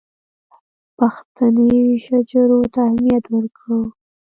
پښتني شجرو ته اهمیت ورکړو.